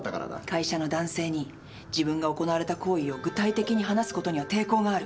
会社の男性に自分が行われた行為を具体的に話すことには抵抗がある。